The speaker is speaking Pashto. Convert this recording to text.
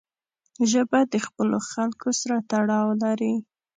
ژبه د خپلو خلکو سره تړاو لري